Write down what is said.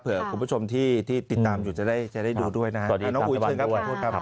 เผื่อคุณผู้ชมที่ติดตามอยู่จะได้ดูด้วยนะครับ